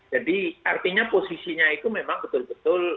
jadi artinya posisinya itu memang betul betul